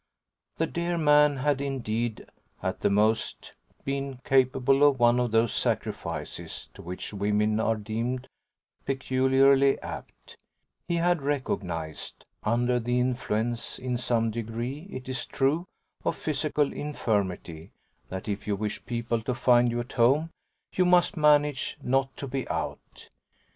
The dear man had indeed, at the most, been capable of one of those sacrifices to which women are deemed peculiarly apt: he had recognised under the influence, in some degree, it is true, of physical infirmity that if you wish people to find you at home you must manage not to be out.